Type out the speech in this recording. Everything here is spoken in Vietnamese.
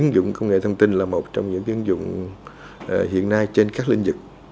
ứng dụng công nghệ thông tin là một trong những ứng dụng hiện nay trên các lĩnh vực